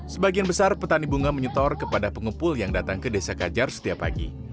sebagian besar petani bunga menyetor kepada pengepul yang datang ke desa kajar setiap pagi